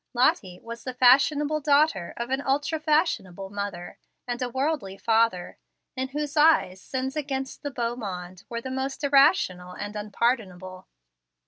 Lottie was the fashionable daughter of an ultra fashionable mother and a worldly father, in whose eyes sins against the beau monde were the most irrational and unpardonable.